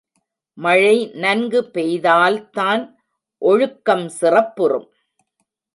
மழை நன்கு பெய்தால்தான் ஒழுக்கம் சிறப்புறும்.